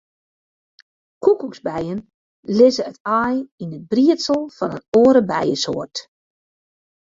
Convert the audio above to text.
Koekoeksbijen lizze it aai yn it briedsel fan in oare bijesoart.